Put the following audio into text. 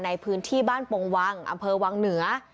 ในพื้นที่บ้านปงวังอำเภอวังเหนือ